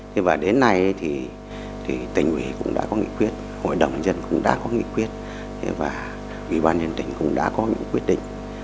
thế và đến nay thì tỉnh ủy cũng đã có nghị quyết hội đồng nhân dân cũng đã có nghị quyết và ủy ban nhân tỉnh cũng đã có những quyết định